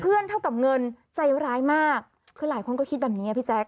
เท่ากับเงินใจร้ายมากคือหลายคนก็คิดแบบนี้พี่แจ๊